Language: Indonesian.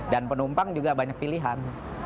dan penumpang juga banyak pilihan